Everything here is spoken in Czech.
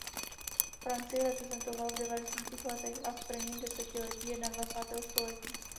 Francii reprezentoval v devadesátých letech a v prvním desetiletí jednadvacátého století.